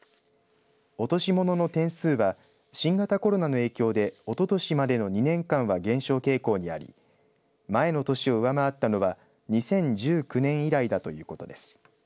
落とし物の点数は新型コロナの影響でおととしまでの２年間は減少傾向にあり前の年を上回ったのは２０１９年以来だということです。